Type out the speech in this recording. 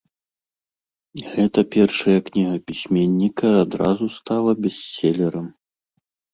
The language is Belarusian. Гэта першая кніга пісьменніка адразу стала бестселерам.